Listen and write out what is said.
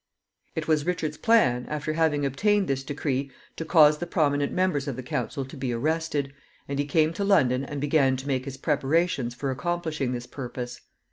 It was Richard's plan, after having obtained this decree, to cause the prominent members of the council to be arrested, and he came to London and began to make his preparations for accomplishing this purpose.